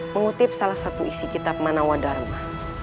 mengutip salah satu isi kitab manawadharma